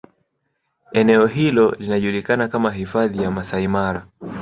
Eneeo hilo linajulikana kama Hifadhi ya Masaimara